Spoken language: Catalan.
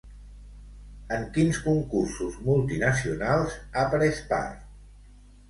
En quins concursos multinacionals ha pres part?